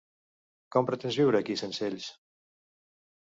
Com pretens viure aquí sense ells?